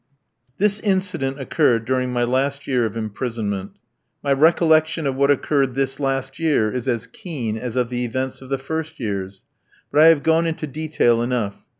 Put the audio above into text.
This incident occurred during my last year of imprisonment. My recollection of what occurred this last year is as keen as of the events of the first years; but I have gone into detail enough.